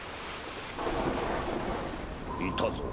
いたぞ。